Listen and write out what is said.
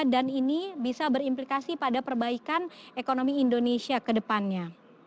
dan ini bisa berimplikasi pada perbaikan ekonomi indonesia ke depannya